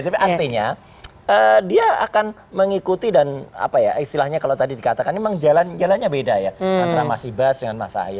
tapi artinya dia akan mengikuti dan apa ya istilahnya kalau tadi dikatakan memang jalannya beda ya antara mas ibas dengan mas ahy